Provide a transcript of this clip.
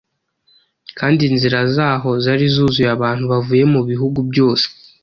kandi inzira zaho zari zuzuye abantu bavuye mu bihugu byose.